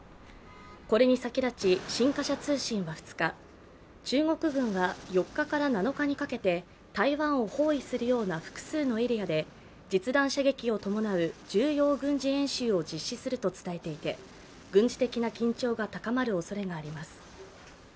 これに先立ち、新華社通信は２日、中国軍は４日から７日にかけて台湾を包囲するような複数のエリアで実弾射撃を伴う重要軍事演習を実施すると伝えていて軍事的な緊張が高まるおそれがあります。